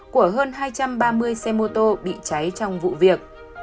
của hơn hai trăm ba mươi xe mô tô bị cháy trong vụ việc